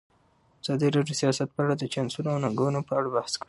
ازادي راډیو د سیاست په اړه د چانسونو او ننګونو په اړه بحث کړی.